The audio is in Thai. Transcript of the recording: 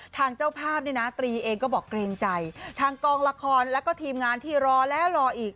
ทางเจ้าภาพเนี่ยนะตรีเองก็บอกเกรงใจทางกองละครแล้วก็ทีมงานที่รอแล้วรออีก